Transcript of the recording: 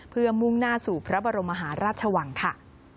เพื่อมุ่งหน้าสู่พระบรมมหาราชวังค่ะ